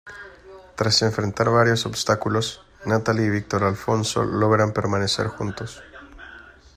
Tras enfrentar varios obstáculos, Natalie y Victor Alfonso logran permanecer juntos.